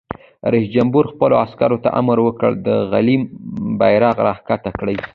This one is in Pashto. رئیس جمهور خپلو عسکرو ته امر وکړ؛ د غلیم بیرغ راکښته کړئ!